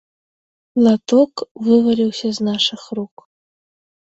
Латок вываліўся з нашых рук.